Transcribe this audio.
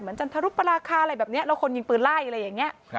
จันทรุปราคาอะไรแบบนี้แล้วคนยิงปืนไล่อะไรอย่างนี้